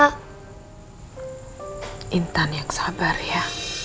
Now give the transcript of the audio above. gintan yang sabar ya